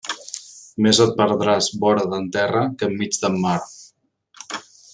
Més et perdràs vora d'en terra que enmig d'en mar.